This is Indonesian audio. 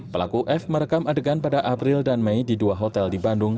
pelaku f merekam adegan pada april dan mei di dua hotel di bandung